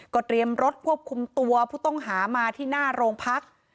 เตรียมรถควบคุมตัวผู้ต้องหามาที่หน้าโรงพัก